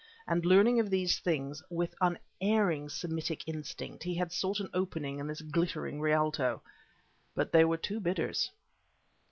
And, learning of these things, with unerring Semitic instinct he had sought an opening in this glittering Rialto. But there were two bidders!